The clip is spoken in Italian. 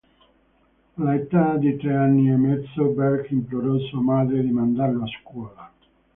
All'età di tre anni e mezzo, Berg implorò sua madre di mandarlo a scuola.